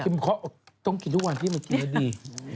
กินคราวต้องกินทุกวันที่ได้กินได้ดี